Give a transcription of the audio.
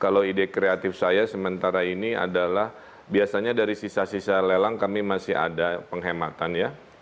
kalau ide kreatif saya sementara ini adalah biasanya dari sisa sisa lelang kami masih ada penghematan ya